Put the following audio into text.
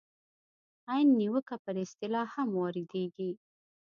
عین نیوکه پر اصطلاح هم واردېږي.